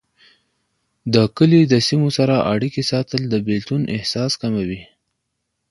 د کلي د سیمو سره اړيکې ساتل، د بیلتون احساس کموي.